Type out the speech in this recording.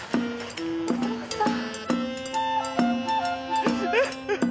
お父さん。